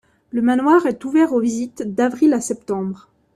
Le manoir est ouvert aux visites d'avril à septembre.